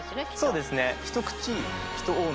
そうですね。